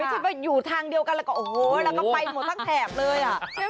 ไม่ใช่อยู่ทางเดียวกันแล้วก็ไปหมดทางแถบเลย